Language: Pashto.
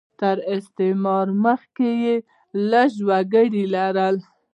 تر استعمار مخکې یې لږ وګړي لرل.